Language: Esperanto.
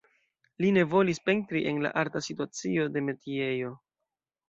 Li ne volis pentri en la arta situacio de metiejo.